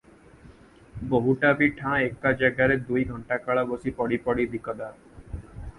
ବୋହୂଟା ବି ଠାଁ ଏକ ଜାଗାରେ ଦୁଇ ଘଣ୍ଟାକାଳ ବସି ପଢ଼ି ପଢ଼ି ଦିକଦାର ।